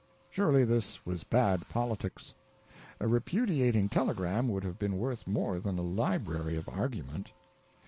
Surely, this was bad politics. A repudiating telegram would have been worth more than a library of argument.